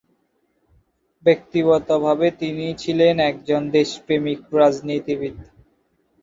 ব্যক্তিগতভাবে তিনি ছিলেন একজন দেশপ্রেমিক রাজনীতিবিদ।